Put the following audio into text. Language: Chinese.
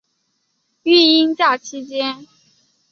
育婴假期间